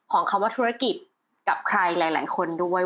คำว่าธุรกิจกับใครหลายคนด้วย